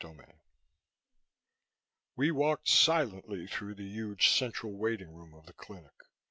VI We walked silently through the huge central waiting room of the clinic.